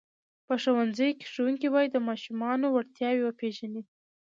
په ښوونځیو کې ښوونکي باید د ماشومانو وړتیاوې وپېژني.